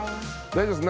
大丈夫です？